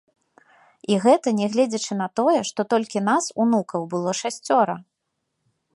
І гэта нягледзячы на тое, што толькі нас, унукаў, было шасцёра.